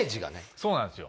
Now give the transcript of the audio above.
そうなんですよ。